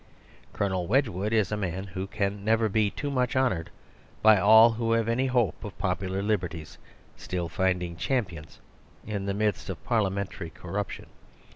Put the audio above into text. Colonel Wedge wood is a man who can never be too much honoured, by all who have any hope of popu lar liberties still finding champions in the midst of parliamentary corruption.